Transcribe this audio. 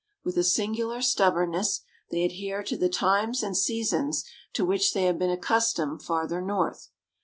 With a singular stubbornness, they adhere to the times and seasons to which they have been accustomed farther North.